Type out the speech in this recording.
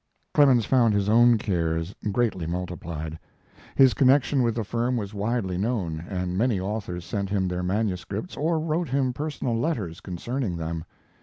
Clemens found his own cares greatly multiplied. His connection with the firm was widely known, and many authors sent him their manuscripts or wrote him personal letters concerning them.